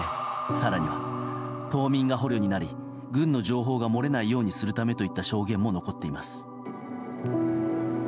更には、島民が捕虜になり軍の情報が漏れないようにするためといった証言も残っています。